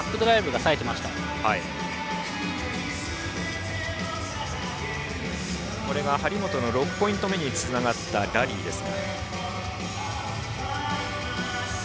映像は張本の６ポイント目につながったラリーですが。